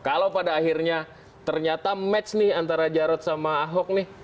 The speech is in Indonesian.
kalau pada akhirnya ternyata match nih antara jarod sama ahok nih